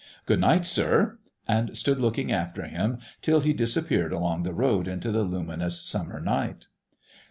"Good night, sir," and stood looking after him till he disappeared along the road into the luminous summer night.